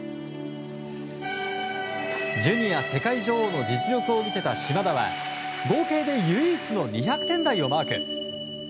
ジュニア世界女王の実力を見せた島田は合計で唯一の２００点台をマーク。